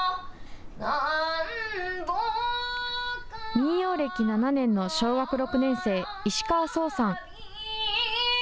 民謡歴７年の小学６年生、石川空青さん。